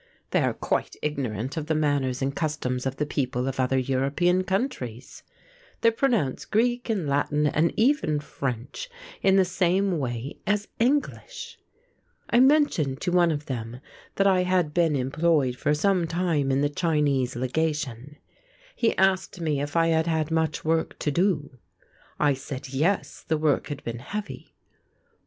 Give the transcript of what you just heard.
They are quite ignorant of the manners and customs of the people of other European countries. They pronounce Greek and Latin and even French in the same way as English. I mentioned to one of them that I had been employed for some time in the Chinese Legation; he asked me if I had had much work to do. I said yes, the work had been heavy.